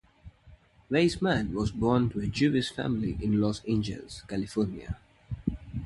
Weisman was born to a Jewish family in Los Angeles, California.